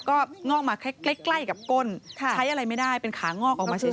ก็งอกมาใกล้กับก้นใช้อะไรไม่ได้เป็นขางอกออกมาเฉย